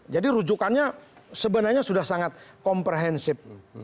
jadi rujukannya sebenarnya sudah sangat komprehensif